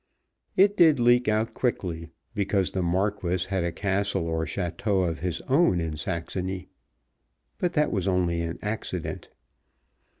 It did leak out quickly, because the Marquis had a castle or château of his own in Saxony; but that was only an accident.